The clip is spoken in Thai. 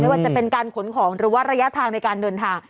ว่าจะเป็นการขนของหรือว่าระยะทางในการเดินทาง